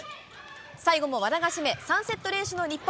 最後も和田が締め、３セット連取の日本。